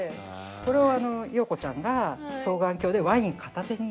これを洋子ちゃんが双眼鏡でワイン片手に。